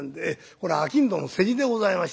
これ商人の世辞でございましてな」。